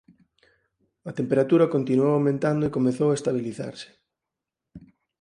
A temperatura continuou aumentando e comezou a estabilizarse.